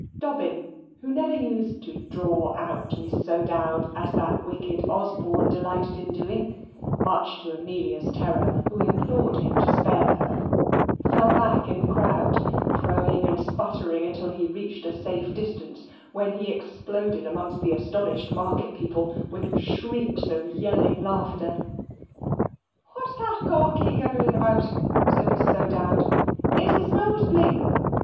Dobbin, who never used to "draw out" Mrs. O'Dowd as that wicked Osborne delighted in doing (much to Amelia's terror, who implored him to spare her), fell back in the crowd, crowing and sputtering until he reached a safe distance, when he exploded amongst the astonished market people with shrieks of yelling laughter. "Hwhat's that gawky guggling about?" said Mrs. O'Dowd. "Is it his nose bleedn?